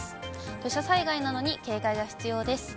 土砂災害などに警戒が必要です。